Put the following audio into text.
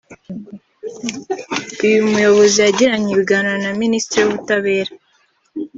uyu muyobozi yagiranye ibiganiro na Minisitiri w’Ubutabera